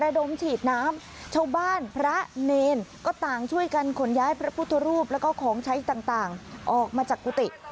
ดมฉีดน้ำชาวบ้านพระเนรก็ต่างช่วยกันขนย้ายพระพุทธรูปแล้วก็ของใช้ต่างออกมาจากกุฏิ